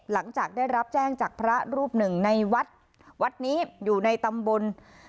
หลังจากได้รับแจ้งจากพระรูปหนึ่งในวัดวัดนี้อยู่ในตำบล